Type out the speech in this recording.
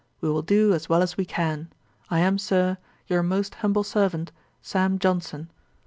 We will do as well as we can. 'I am, Sir, 'Your most humble servant, 'SAM. JOHNSON.'